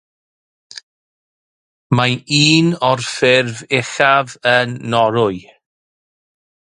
Mae'n un o'r ffyrdd uchaf yn Norwy.